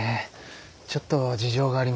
ちょっと事情がありまして。